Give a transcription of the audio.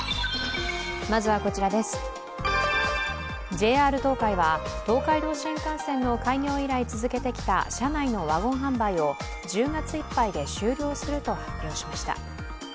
ＪＲ東海は東海道新幹線の開業以来続けてきた車内のワゴン販売を１０月いっぱいで終了すると発表しました。